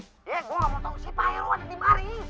ya gue mau nunggu si pak heru ada di mari